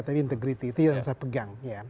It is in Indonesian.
tapi integrity itu yang saya pegang